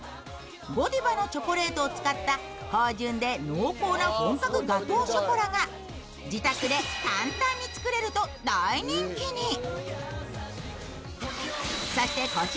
ゴディバのチョコレートを使った芳じゅんで濃厚な本格ガトーショコラが自宅で簡単に作れると大人気に。